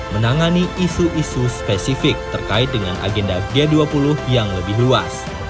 menangani isu isu spesifik terkait dengan agenda g dua puluh yang lebih luas